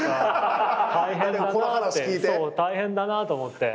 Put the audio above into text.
大変だなと思って。